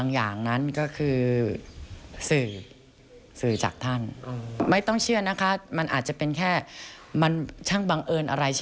งงาย